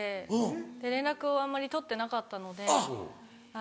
で連絡をあんまり取ってなかったので。